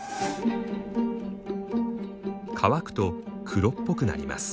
乾くと黒っぽくなります。